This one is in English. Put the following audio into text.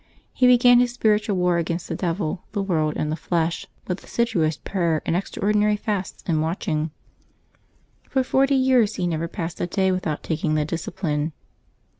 He began his spiritual war against the devil^ the world, and the flesh, with assiduous prayer and extraordinary fasts and watch ings. For forty years he never passed a day without tak ing the discipline.